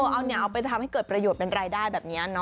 เอาเนี่ยเอาไปทำให้เกิดประโยชน์เป็นรายได้แบบนี้